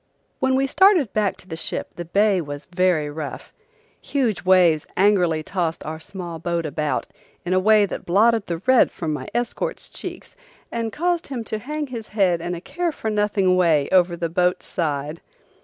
When we started back to the ship the bay was very rough. Huge waves angrily tossed our small boat about in a way that blotted the red from my escort's checks and caused him to hang his head in a care for nothing way over the boat's side.